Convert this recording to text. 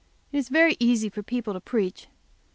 It is very easy for people to preach.